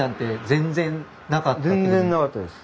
全然なかったです。